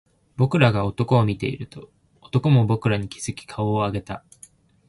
僕らが男を見ていると、男も僕らに気付き顔を上げた